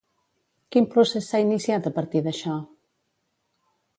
Quin procés s'ha iniciat a partir d'això?